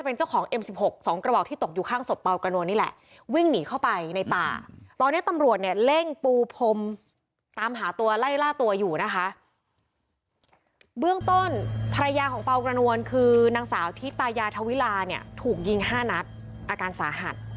นางสาวที่ตายยาเท่าเวลาเนี่ยถูกยิง๕นัดอาการสาหัส